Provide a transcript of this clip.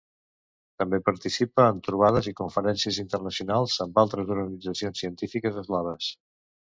També participa en trobades i conferències internacionals amb altres organitzacions científiques eslaves.